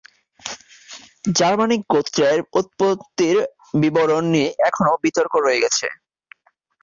Germanic গোত্রের উৎপত্তির বিবরণ নিয়ে এখনও বিতর্ক রয়ে গেছে।